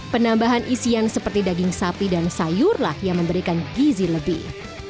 penambahan isian seperti daging sapi dan sayurlah yang memberikan gizi lebih